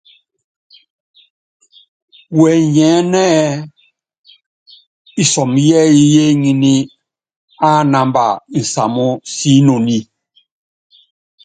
Wɛnyɛɛ́nɛ́ ɛ́ɛ́ isɔmɔ yɛ́ɛ́yí yééŋíní ánámba nsamɔ́síinoni.